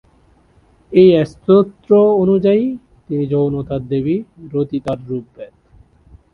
এই স্তোত্র অনুযায়ী, তিনি যৌনতার দেবী; রতি তাঁর রূপভেদ।